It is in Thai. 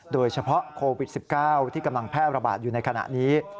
โดยเฉพาะโควิด๑๙ที่กำลังแพร่ระบาดอยู่ในขณะนี้